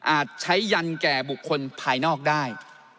ใช้ยันแก่บุคคลภายนอกได้